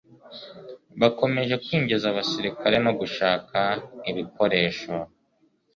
bakomeje kwinjiza abasirikare no gushaka ibikoresho